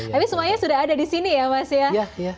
tapi semuanya sudah ada di sini ya mas ya